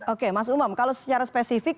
oke mas umam kalau secara spesifik